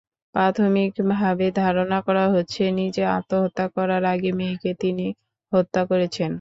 প্রাথমিকভাবে ধারণা করা হচ্ছে, নিজে আত্মহত্যা করার আগে মেয়েকে তিনি হত্যা করেছেন।